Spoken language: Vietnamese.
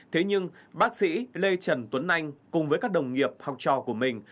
thế nhưng bác sĩ lê trần tuấn anh cùng với các đồng nghiệp học trò của mình